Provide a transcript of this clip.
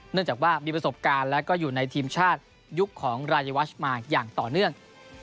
เนื่องจากว่ามีประสบการณ์แล้วก็อยู่ในทีมชาติยุคของรายวัชมาอย่างต่อเนื่อง